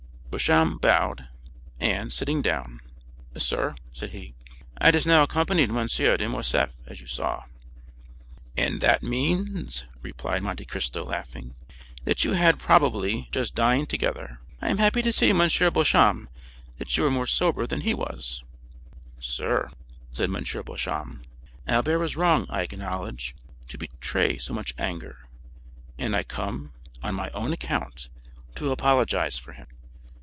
Beauchamp bowed, and, sitting down, "Sir," said he, "I just now accompanied M. de Morcerf, as you saw." "And that means," replied Monte Cristo, laughing, "that you had, probably, just dined together. I am happy to see, M. Beauchamp, that you are more sober than he was." "Sir," said M. Beauchamp, "Albert was wrong, I acknowledge, to betray so much anger, and I come, on my own account, to apologize for him.